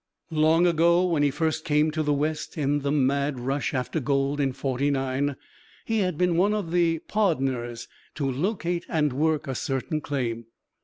Long ago when he first came to the west, in the mad rush after gold in '49 he had been one of the "pardners" to locate and work a certain claim.